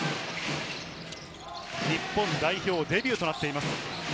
日本代表デビューとなっています。